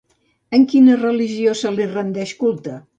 En quina religió se li rendeix culte?